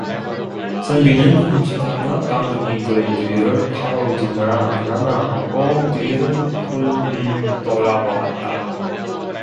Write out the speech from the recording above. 선비는 흠칫하며 감독이 그의 뒤를 따라오지나 않았나 하고 뒤를 흘금 돌아보았다.